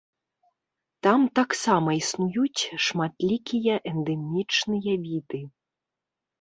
Там таксама існуюць шматлікія эндэмічныя віды.